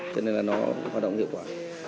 cho nên là nó hoạt động hiệu quả